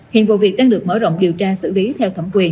hiện vụ việc đang được mở rộng điều tra xử lý theo thẩm quyền